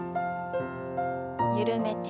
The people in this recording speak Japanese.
緩めて。